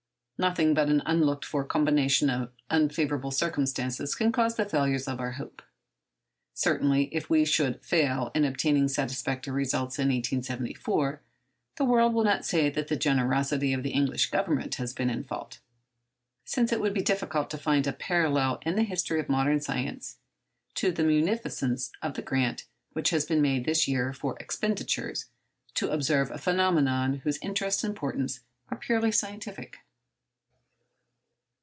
Nothing but an unlooked for combination of unfavourable circumstances can cause the failure of our hopes. Certainly, if we should fail in obtaining satisfactory results in 1874, the world will not say that the generosity of the English Government has been in fault, since it would be difficult to find a parallel in the history of modern science to the munificence of the grant which has been made this year for expeditions to observe a phenomenon whose interest and importance are purely scientific.